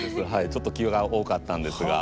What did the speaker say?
ちょっと気が多かったんですが。